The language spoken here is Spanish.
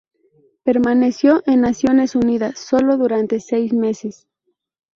Permaneció en Naciones Unidas solo durante seis meses.